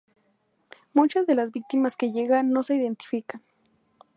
Muchas de las víctimas que llegan no se identifican.